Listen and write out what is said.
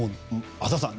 浅尾さん